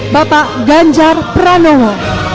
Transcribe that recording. bapak ganjar pranowo